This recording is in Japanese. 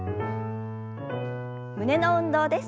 胸の運動です。